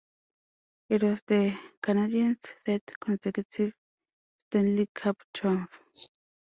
It was the Canadiens' third consecutive Stanley Cup triumph.